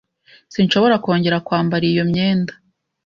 Sinshobora kongera kwambara iyo myenda